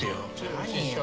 何よ？